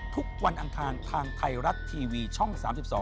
วันอังคารทางไทยรัฐทีวีช่อง๓๒